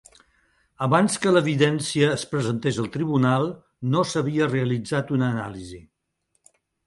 Abans que l'evidència es presentés al tribunal, no s'havia realitzat una anàlisi.